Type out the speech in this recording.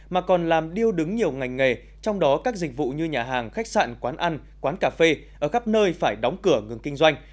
mà còn làm điêu đứng nhiều ngành nghề trong đó các dịch vụ như nhà hàng khách sạn quán ăn quán cà phê ở khắp nơi phải đóng cửa ngừng kinh doanh